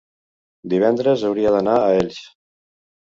Divendres hauria d'anar a Elx.